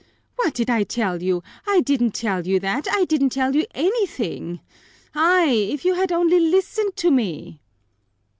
What did I tell you? I didn't tell you that, I didn't tell you anything! Ay, if you had only listened to me!"